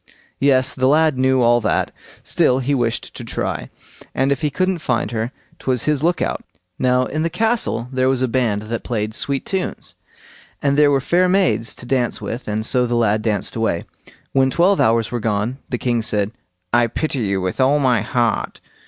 Yes; the lad knew all that. Still he wished to try, and if he couldn't find her, 'twas his look out. Now in the castle there was a band that played sweet tunes, and there were fair maids to dance with, and so the lad danced away. When twelve hours were gone, the king said: "I pity you with all my heart.